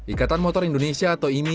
ikatan motor indonesia atau imi